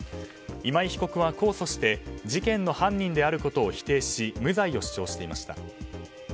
今井被告は控訴して事件の犯人であることを否定し無罪を主張していました。